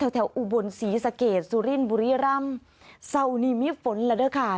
อุบลศรีสะเกดสุรินบุรีรำเศร้านี้มีฝนแล้วด้วยค่ะ